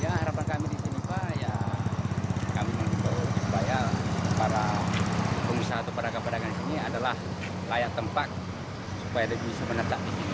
ya harapan kami di sini pak ya kami mengingat supaya para pemusaha atau para kepadangan sini adalah layak tempat supaya bisa menetap